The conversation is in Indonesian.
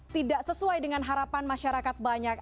tidak sesuai dengan harapan masyarakat banyak